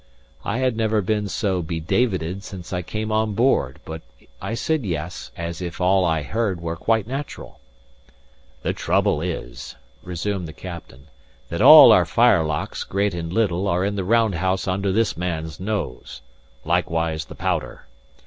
I had never been so be Davided since I came on board: but I said Yes, as if all I heard were quite natural. "The trouble is," resumed the captain, "that all our firelocks, great and little, are in the round house under this man's nose; likewise the powder.